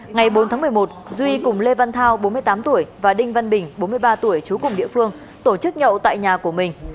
ngày bốn tháng một mươi một duy cùng lê văn thao bốn mươi tám tuổi và đinh văn bình bốn mươi ba tuổi trú cùng địa phương tổ chức nhậu tại nhà của mình